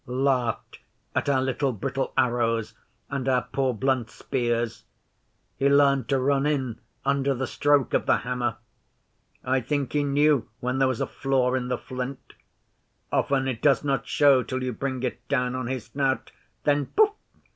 'He laughed at our little brittle arrows and our poor blunt spears. He learned to run in under the stroke of the hammer. I think he knew when there was a flaw in the flint. Often it does not show till you bring it down on his snout. Then Pouf!